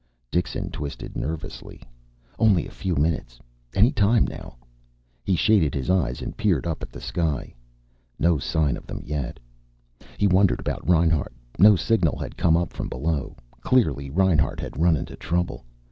Dixon twisted nervously. Only a few minutes. Any time, now. He shaded his eyes and peered up at the sky. No sign of them yet. He wondered about Reinhart. No signal had come up from below. Clearly, Reinhart had run into trouble.